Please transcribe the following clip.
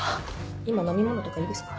今飲み物とかいいですか？